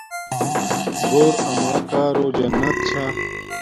گھور اماکارو جنت چھا